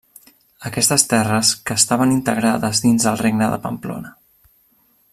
Aquestes terres que estaven integrades dins del regne de Pamplona.